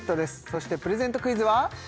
そしてプレゼントクイズは？